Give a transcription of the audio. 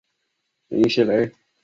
林熙蕾。